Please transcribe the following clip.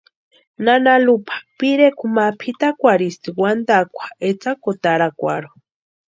Nana Lupa pirekwa ma pʼitakwʼarhisti wantakwa etsakutarakwarhu.